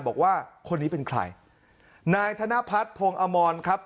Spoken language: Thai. บอกว่าคนนี้เป็นใครนายธนพัฒน์พงศ์อมรครับ